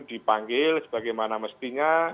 dipanggil sebagaimana mestinya